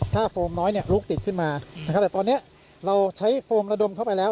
ถ้าโฟมน้อยเนี่ยลุกติดขึ้นมานะครับแต่ตอนนี้เราใช้โฟมระดมเข้าไปแล้ว